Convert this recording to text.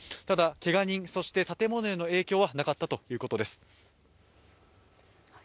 ただ、けが人、そして建物への影響はなかったということです。